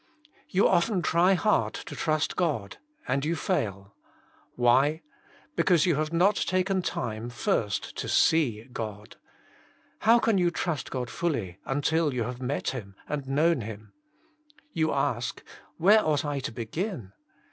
You often try hard to trust God, and you fail. Why? Because you have not taken time first to see God. How can you trust God Jesus Himself, 53 fully until you have met Him and known Him ? You ask, ''Where ought I to begin